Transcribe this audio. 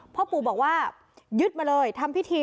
พ่อปู่บอกว่ายึดมาเลยทำพิธี